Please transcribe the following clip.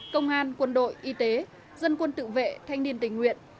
công an quân đội y tế dân quân tự vệ thanh niên tình nguyện